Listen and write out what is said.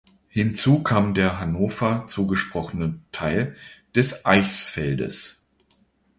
Hinzu kam der Hannover zugesprochene Teil des Eichsfeldes.